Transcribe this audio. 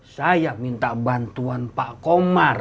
saya minta bantuan pak komar